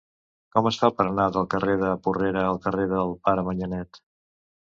Com es fa per anar del carrer de Porrera al carrer del Pare Manyanet?